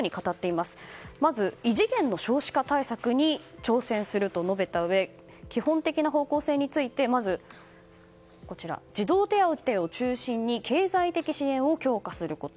まず、異次元の少子化対策に挑戦すると述べたうえで基本的な方向性についてまず、児童手当を中心に経済的支援を強化すること。